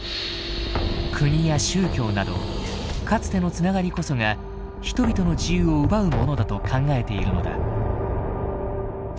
国や宗教などかつての繋がりこそが人々の自由を奪うものだと考えているのだ。